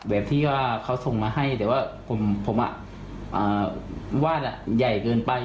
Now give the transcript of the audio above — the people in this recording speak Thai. ที่ว่าเขาส่งมาให้แต่ว่าผมวาดใหญ่เกินไป